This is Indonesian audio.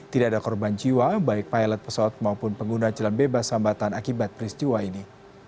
tidak ada korban jiwa baik pilot pesawat maupun pengguna jalan bebas hambatan akibat peristiwa ini